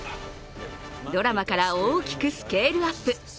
ドラマから大きくスケールアップ。